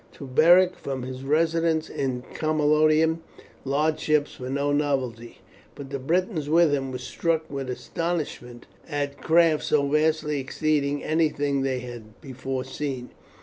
To Beric, from his residence in Camalodunum, large ships were no novelty, but the Britons with him were struck with astonishment at craft so vastly exceeding anything that they had before seen.